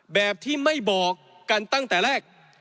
แบบที่ไม่บอกกันตั้งแต่แรก